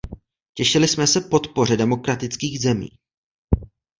Těšili jsme se podpoře demokratických zemí.